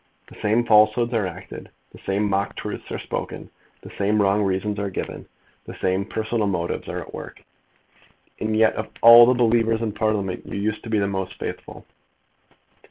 The same falsehoods are acted. The same mock truths are spoken. The same wrong reasons are given. The same personal motives are at work." "And yet, of all believers in Parliament, you used to be the most faithful."